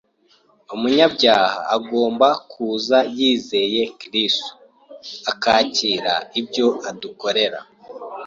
Umunyabyaha agomba kuza yizeye Kristo, akakira ibyo adukorera,